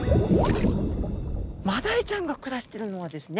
マダイちゃんが暮らしてるのはですね